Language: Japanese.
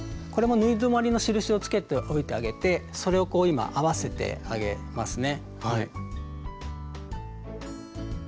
これも縫い止まりの印をつけておいてあげてそれをこう今合わせてあげますね。